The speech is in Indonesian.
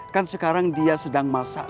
kan sekarang dia sedang masak